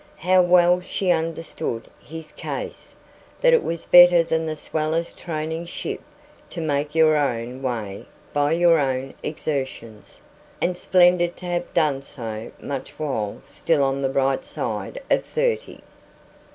How well she understood his case that it was better than the swellest training ship to make your own way by your own exertions, and splendid to have done so much while still on the right side of thirty.